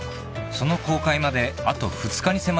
［その公開まであと２日に迫りました］